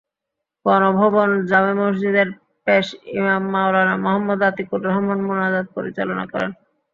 গণভবন জামে মসজিদের পেশ ইমাম মাওলানা মোহাম্মদ আতিকুর রহমান মোনাজাত পরিচালনা করেন।